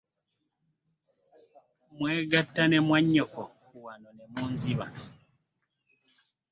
Mwegatta ne mwannyoko wano ne munziba.